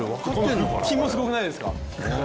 腹筋もすごくないですか。